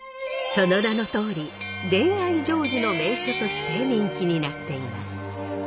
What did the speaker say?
その名のとおり恋愛成就の名所として人気になっています。